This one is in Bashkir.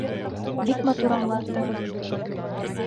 Бик матур аңлаттығыҙ.